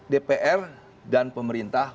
dpr dan pemerintah